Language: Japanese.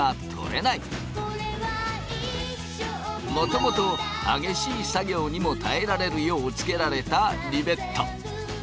もともと激しい作業にも耐えられるようつけられたリベット。